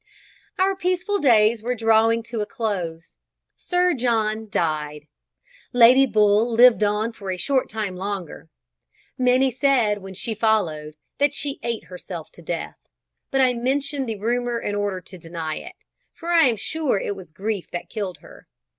Our peaceful days were drawing to a close. Sir John died. Lady Bull lived on for a short time longer. Many said, when she followed, that she ate herself to death; but I mention the rumour in order to deny it, for I am sure it was grief that killed her.